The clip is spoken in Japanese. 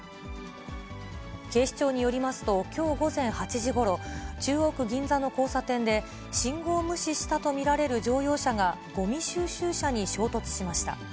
警視庁によりますと、きょう午前８時ごろ、中央区銀座の交差点で、信号無視したと見られる乗用車が、ごみ収集車に衝突しました。